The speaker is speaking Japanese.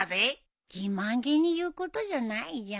自慢げに言うことじゃないじゃん。